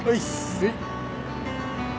はい。